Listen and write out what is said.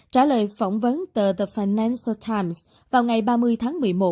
trả lời phỏng vấn tờ the financial times vào ngày ba mươi tháng một mươi một